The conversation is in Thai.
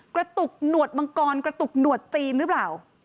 กระตุกหนวดมังกรกระตุกหนวดจีนหรือเปล่า